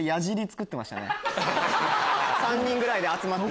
３人ぐらいで集まって。